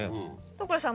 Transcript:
所さん